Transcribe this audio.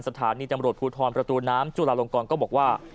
สถานีตำรวจภูทรประตูน้ำจุลาลงกรก็บอกว่า